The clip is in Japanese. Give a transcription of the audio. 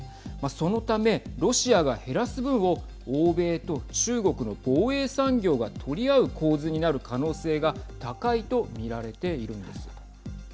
そのためロシアが減らす分を欧米と中国の防衛産業が取り合う構図になる可能性が高いと見られているんです。